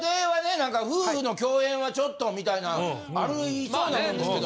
何か夫婦の共演はちょっとみたいなありそうなもんですけど。